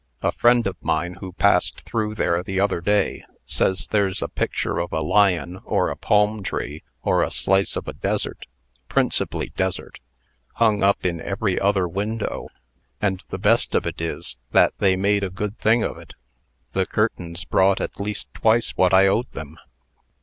A friend of mine, who passed through there the other day, says there's a picture of a lion, or a palm tree, or a slice of a desert principally desert hung up in every other window. And the best of it is, that they made a good thing of it. The curtains brought at least twice what I owed them.